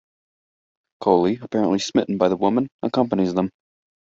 Coley, apparently smitten by the woman, accompanies them.